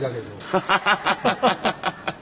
ハハハハハッ！